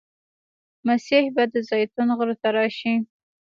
مسیح به د زیتون غره ته راشي.